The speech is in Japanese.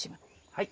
はい。